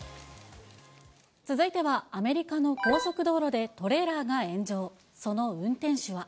続いては、アメリカの高速道路でトレーラーが炎上。